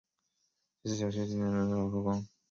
积极有序推进企事业单位复工复产